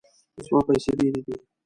زما پیسې ډیرې دي